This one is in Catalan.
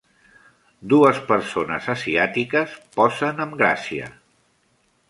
Dues persones asiàtiques posen amb gràcia.